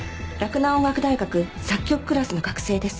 洛南音楽大学作曲クラスの学生です。